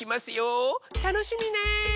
たのしみね！